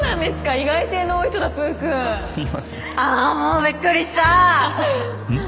意外性の多い人だぷーくんすいませんああーもうびっくりしたん？